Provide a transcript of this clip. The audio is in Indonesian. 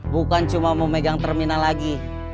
bukan cuma mau pegang terminal lagi